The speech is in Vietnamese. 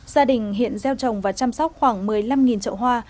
gia đình hiện gieo trồng và chăm sóc khoảng một mươi năm trậu hoa